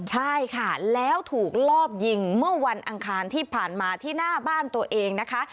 ใช่ค่ะแล้วถูกลอบยิงเมื่อวันอังคารที่ผ่านมาที่หน้าบ้านตัวเองนะคะ